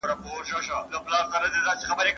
د سوداګرۍ لارې څنګه خوندي سوي؟